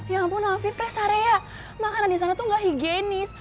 ya ampun nafif rest area makanan di sana tuh gak higienis